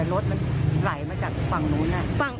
รถมันไหลมาจากฝั่งนู้น